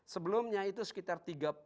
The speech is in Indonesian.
sebelumnya itu sekitar tiga puluh